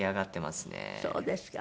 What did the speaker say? そうですか。